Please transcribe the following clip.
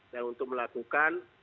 dan untuk melakukan